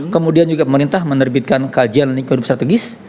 kemudian juga pemerintah menerbitkan kajian lingkungan strategis